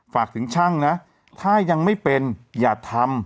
ฝากถึงช่างนะถ้ายังไม่เป็นอย่าทำ